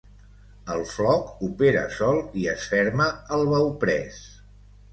El floc opera sol i es ferma al bauprès.